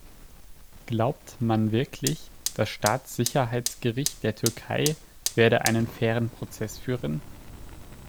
Glaubt man wirklich, das Staatssicherheitsgericht der Türkei werde einen fairen Prozess führen?